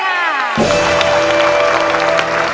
กลับมาเมื่อเวลาที่สุดท้าย